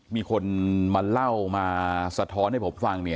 มีคนมาเล่ามาสะท้อนให้ผมฟัง